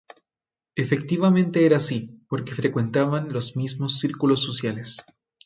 Efectivamente era así porque frecuentaban los mismos círculos sociales.